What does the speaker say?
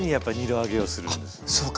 あそうか。